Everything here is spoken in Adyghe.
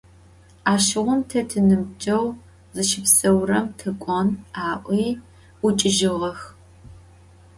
Aşığum te tinıbceğu zışıpseurem tık'on, - a'ui 'uç'ıjığex.